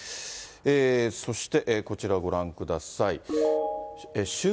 そしてこちら、ご覧ください。